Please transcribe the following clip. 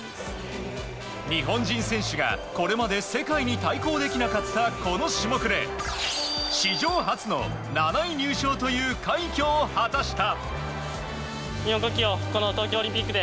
日本人選手がこれまで世界に対抗できなかった、この種目で史上初の７位入賞という快挙を果たした。